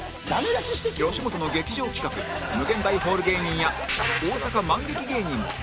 吉本の劇場企画∞ホール芸人や大阪マンゲキ芸人も